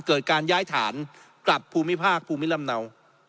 เกิดการย้ายฐานกลับภูมิภาคภูมิลำเนา